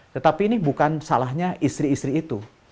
tetapi ini bukan salahnya istri istri itu